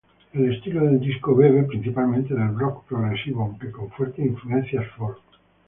El estilo del disco bebe, principalmente, del rock progresivo, aunque con fuertes influencias folk.